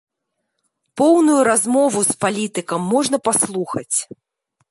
Поўную размову з палітыкам можна паслухаць!